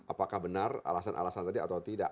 apakah benar alasan alasan tadi atau tidak